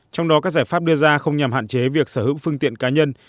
trong đó các giải pháp đưa ra không nhằm hạn chế việc sở hữu phương tiện cá nhân